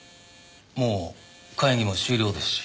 もう会議も終了ですし。